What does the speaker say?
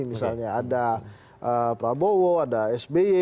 misalnya ada prabowo ada sby